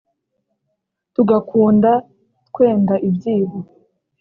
Tuganduka twenda ibyibo